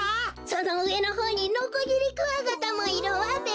そのうえのほうにノコギリクワガタもいるわべ！